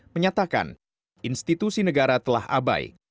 menyatakan institusi negara telah abai